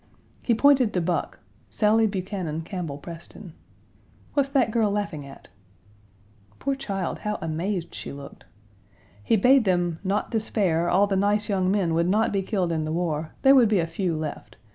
He pointed to Buck Sally Buchanan Campbell Preston. "What's that girl laughing at?" Poor child, how amazed she looked. He bade them "not despair; all the nice young men would not be killed in the war; there would be a few left.